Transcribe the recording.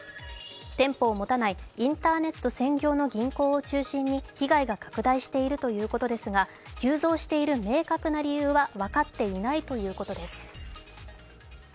店舗を持たないインターネット専業の銀行を中心に被害が拡大しているということですが、急増している明確な理由は分かっていないということです。